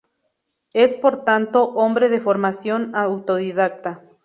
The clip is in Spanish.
Es, por tanto, hombre de formación autodidacta.